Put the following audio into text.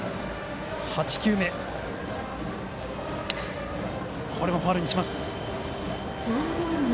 ８球目もファウルにします。